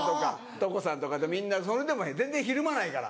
所さんとかとみんなそれでも全然ひるまないから。